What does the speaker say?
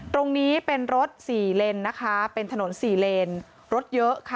ตรงนี้เป็นรถสี่เลนนะคะเป็นถนนสี่เลนรถเยอะค่ะ